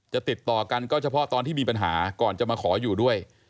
ติดต่อกันก็เฉพาะตอนที่มีปัญหาก่อนจะมาขออยู่ด้วย